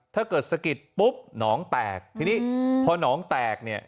ถ้าเกิดสกิริตปุ๊บหนองแตกทีนี้พอนองแตกเนี่ย